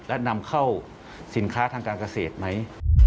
และนำเข้าสินค้าทางการเกษตรไหม